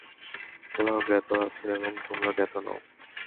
আল্লাহ জ্ঞাত আছেন এবং তোমরা জ্ঞাত নও।